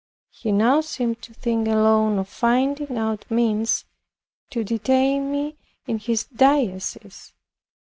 He now seemed to think alone of finding out means to detain me in his diocese.